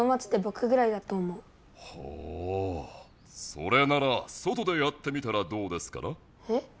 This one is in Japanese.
それなら外でやってみたらどうですかな？え？